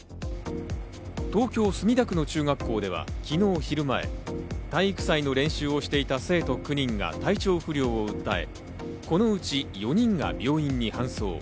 東京・墨田区の中学校では昨日昼前、体育祭の練習をしていた生徒９人が体調不良を訴え、このうち４人が病院に搬送。